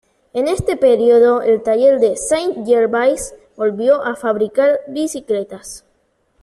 En este período el taller de Saint Gervais volvió a fabricar bicicletas.